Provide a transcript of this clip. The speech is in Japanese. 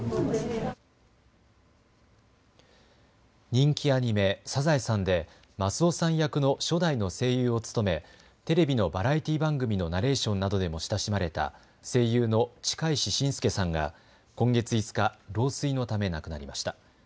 人気アニメ、サザエさんでマスオさん役の初代の声優を務めテレビのバラエティ番組のナレーションなどでも親しまれた声優の近石真介さんが今月５日、老衰のため亡くなりました。